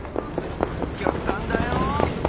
おきゃくさんだよ。